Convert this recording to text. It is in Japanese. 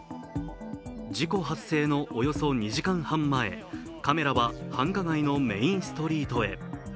事故発生のおよそ２時間半前カメラは繁華街のメインストリートへ。